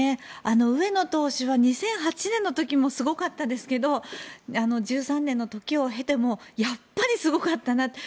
上野投手は２００８年の時もすごかったですけど１３年の時を経てもやっぱりすごかったなと。